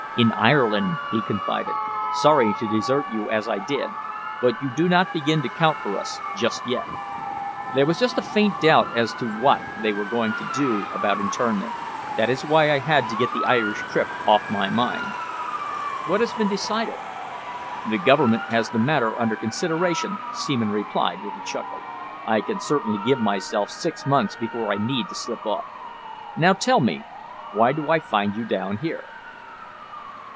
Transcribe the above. "In Ireland," he confided. "Sorry to desert you as I did, but you do not begin to count for us just yet. There was just a faint doubt as to what they were going to do about internment. That is why I had to get the Irish trip off my mind." "What has been decided?" "The Government has the matter under consideration," Seaman replied, with a chuckle. "I can certainly give myself six months before I need to slip off. Now tell me, why do I find you down here?"